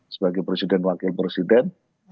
sebagai presiden wakil presiden